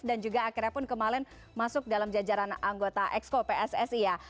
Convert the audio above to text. dan juga akhirnya pun kemaren masuk dalam jajaran anggota exco pssi ya